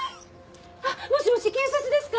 もしもし警察ですか。